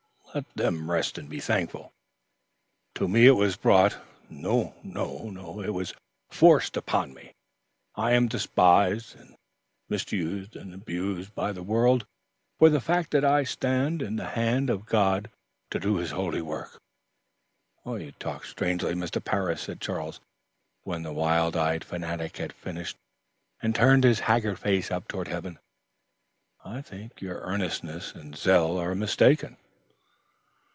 Let them rest and be thankful. To me it was brought it was forced upon me. I am despised, misused and abused by the world for the fact that I stand in the hand of God to do his holy will." "You talk strangely, Mr. Parris," said Charles, when the wild eyed fanatic had finished and turned his haggard face up toward heaven. "I think your earnestness and zeal are mistaken."